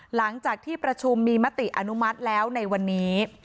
หลังจากที่ประชุมมีมติอนุมัติแล้วในวันนี้